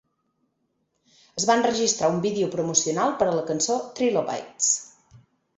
Es va enregistrar un vídeo promocional per a la cançó "Trilobites".